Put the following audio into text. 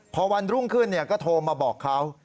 พอวันรุ่งขึ้นก็โทรมาบอกเขา